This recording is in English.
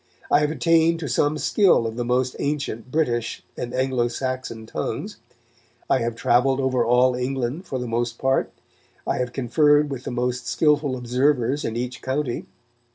I have attained to some skill of the most ancient British and Anglo Saxon tongues; I have travelled over all England for the most part, I have conferred with most skilful observers in each county....